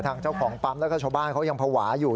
เจ้าของปั๊มแล้วก็ชาวบ้านเขายังภาวะอยู่